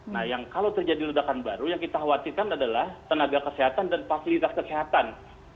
nah yang kalau terjadi ledakan baru yang kita khawatirkan adalah tenaga kesehatan dan fasilitas kesehatan